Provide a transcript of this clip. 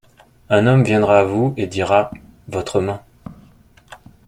Un homme viendra à vous, et dira : Votre main ?